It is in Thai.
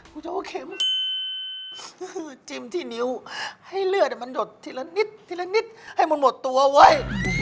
จะเอาเข็มก็คือจิ้มที่นิ้วให้เลือดมันหยดทีละนิดทีละนิดให้มันหมดตัวไว้